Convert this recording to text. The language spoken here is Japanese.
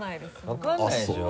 分からないでしょ？